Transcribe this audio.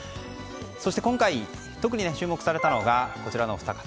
そして今回、特に注目されたのがこちらのお二方。